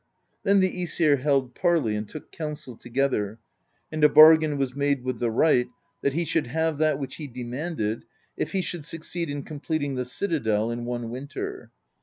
Then the ^Esir held parley and took counsel together; and a bargain was made with the Wright, that he should have that which he demanded, if he should succeed in completing the citadel in one win ter.